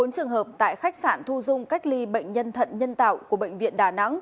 bốn trường hợp tại khách sạn thu dung cách ly bệnh nhân thận nhân tạo của bệnh viện đà nẵng